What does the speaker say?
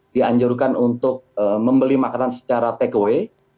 dianjurkan untuk membeli makanan secara takeaway